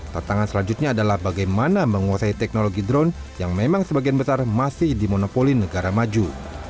tantangan selanjutnya adalah bagaimana menguasai teknologi drone yang memang sebagian besar masih dimonopoli negara maju